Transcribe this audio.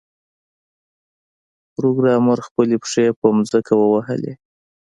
پروګرامر خپلې پښې په ځمکه ووهلې